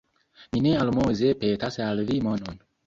Mi ne almoze petas al vi monon!